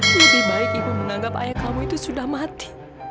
lebih baik ibu menganggap ayah kamu itu sudah mati